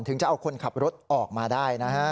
ถึงจะเอาคนขับรถออกมาได้นะฮะ